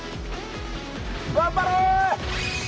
頑張れ！